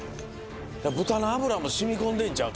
豚の脂もしみ込んでんちゃう？